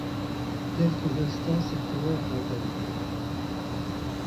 Quelques instants s'écoulèrent encore.